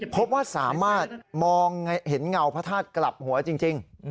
พบว่าสามารถมองเห็นเงาพระธาตุกลับหัวจริง